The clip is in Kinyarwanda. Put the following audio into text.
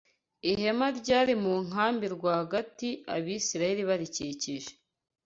Ihema ryari mu nkambi rwagati, Abisirayeli barikikije